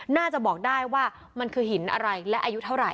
น่าจะบอกได้ว่ามันคือหินอะไรและอายุเท่าไห